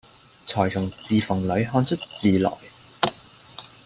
纔從字縫裏看出字來，